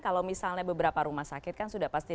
kalau misalnya beberapa rumah sakit kan sudah pasti